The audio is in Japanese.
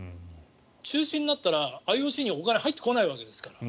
中止になったらＩＯＣにお金が入ってこないわけですから。